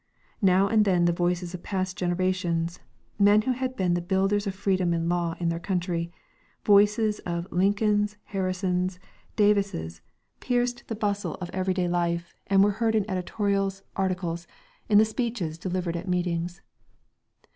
Now and then the voices of past generations, the men who had been the builders of freedom and law in their country, the voices of Lincolns, Harrisons, and Davises pierced the bustle of every day life and were heard in editorials, articles, in the speeches delivered at meetings.